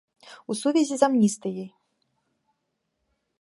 У сувязі з амністыяй.